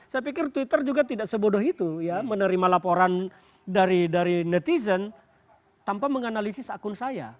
saya pikir twitter juga tidak sebodoh itu ya menerima laporan dari netizen tanpa menganalisis akun saya